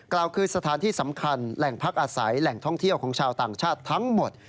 กล่าวคือสถานที่สำคัญแหล่งพักอาศัยแหล่งท่องเที่ยวของชาวต่างชาติทั้งหมด